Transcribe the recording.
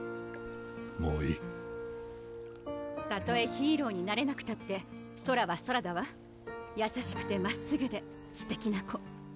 もういいたとえヒーローになれなくたってソラはソラだわ優しくてまっすぐですてきな子